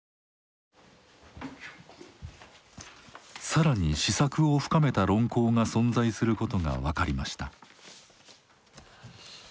更に思索を深めた論考が存在することが分かりました。